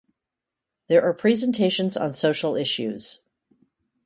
There are presentations on social issues.